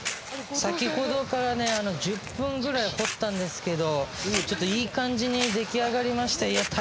先ほどから、１０分ぐらい掘ったんですけどいい感じに出来上がりましたよ。